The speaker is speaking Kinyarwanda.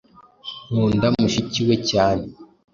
Nkunda mushiki we cyane.